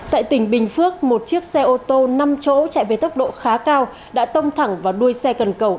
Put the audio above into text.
tại tỉnh bình phước một chiếc xe ô tô năm chỗ chạy về tốc độ khá cao đã tông thẳng vào đuôi xe cần cầu